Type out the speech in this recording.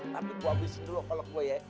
tapi gue abisin dulu kolok gue ya